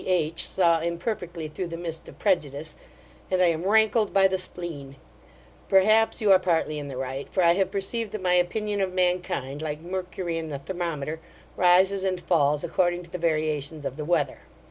H saw imperfectly through the mist of prejudice, and I am rankled by the spleen Perhaps, you are partly in the right; for I have perceived that my opinion of mankind, like mercury in the thermometer, rises and falls according to the variations of the weather.